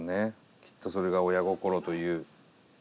きっとそれが親心という。